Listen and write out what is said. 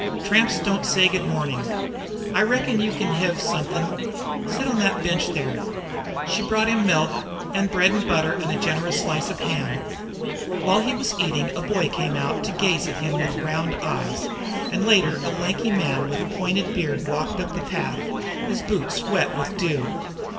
Tramps don't say 'Good mornin''. I reckon you kin hev somethin'. Sit on the bench there." She brought him milk, and bread and butter, and a generous slice of ham. While he was eating, a boy came out to gaze at him with round eyes, and later a lanky man with pointed beard walked up the path, his boots wet with dew.